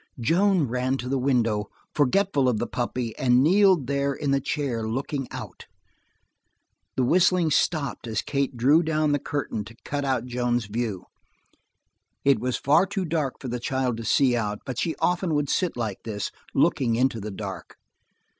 Joan ran to the window, forgetful of the puppy, and kneeled there in the chair, looking out. The whistling stopped as Kate drew down the curtain to cut out Joan's view. It was far too dark for the child to see out, but she often would sit like this, looking into the dark.